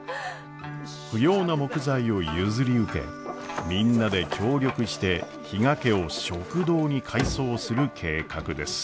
不要な木材を譲り受けみんなで協力して比嘉家を食堂に改装する計画です。